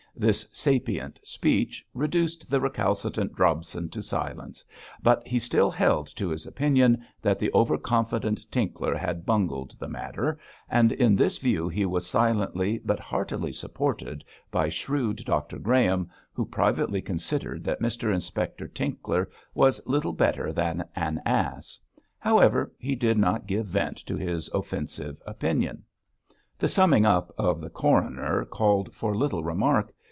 This sapient speech reduced the recalcitrant Jobson to silence, but he still held to his opinion that the over confident Tinkler had bungled the matter, and in this view he was silently but heartily supported by shrewd Dr Graham, who privately considered that Mr Inspector Tinkler was little better than an ass. However, he did not give vent to this offensive opinion. The summing up of the coroner called for little remark.